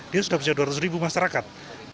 dia sudah bisa dua ratus ribu masyarakat